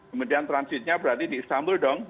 kemudian transitnya berarti di istanbul dong